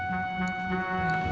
gak ada yang ngerti